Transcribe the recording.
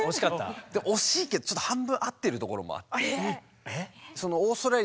惜しいけど半分合ってるところもあって。